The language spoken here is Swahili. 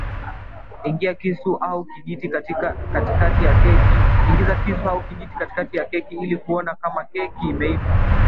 Ingiza kisu au kijiti katikati ya keki ili kuona kama keki imeiva